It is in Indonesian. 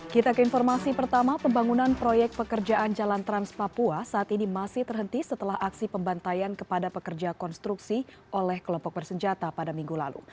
kita ke informasi pertama pembangunan proyek pekerjaan jalan trans papua saat ini masih terhenti setelah aksi pembantaian kepada pekerja konstruksi oleh kelompok bersenjata pada minggu lalu